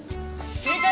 正解！